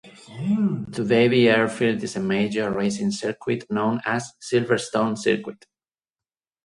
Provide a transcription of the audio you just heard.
Today the airfield is a major racing circuit known as Silverstone Circuit.